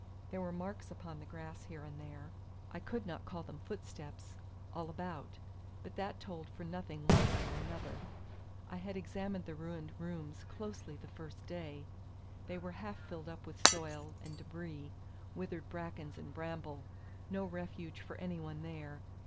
There were marks upon the grass here and there I could not call them footsteps all about; but that told for nothing one way or another. I had examined the ruined rooms closely the first day. They were half filled up with soil and debris, withered brackens and bramble, no refuge for any one there.